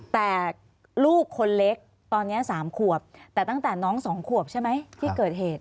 แต่ลูกคนเล็กตอนนี้๓ขวบแต่ตั้งแต่น้อง๒ขวบใช่ไหมที่เกิดเหตุ